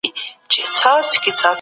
سالم ذهن ستړیا نه خپروي.